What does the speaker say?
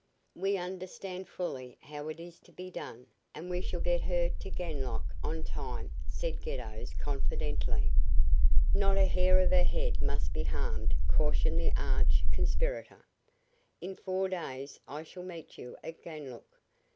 "We understand fully how it is to be done, and we shall get her to Ganlook on time," said Geddos, confidently. "Not a hair of her head must be harmed," cautioned the arch conspirator. "In four days I shall meet you at Ganlook.